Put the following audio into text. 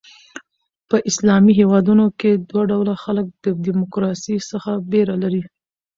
په اسلامي هیوادونو کښي دوه ډوله خلک د ډیموکراسۍ څخه بېره لري.